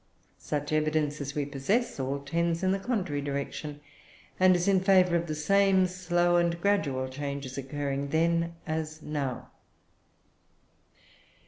Such evidence as we possess all tends in the contrary direction, and is in favour of the same slow and gradual changes occurring then as now.